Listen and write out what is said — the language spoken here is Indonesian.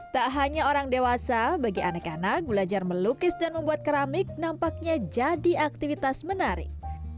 tak hanya orang dewasa bagi anak anak belajar melukis dan membuat keramik nampaknya jadi aktivitas menarik